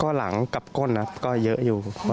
ก็หลังกับก้นครับก็เยอะอยู่พอสมควรครับ